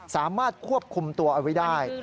สามารถควบคุมตัวเอาไว้ได้